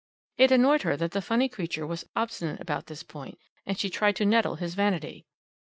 It annoyed her that the funny creature was obstinate about this point, and she tried to nettle his vanity.